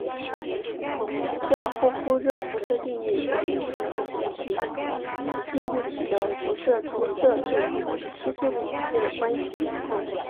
基尔霍夫热辐射定律则给出了实际物体的辐射出射度与吸收比之间的关系。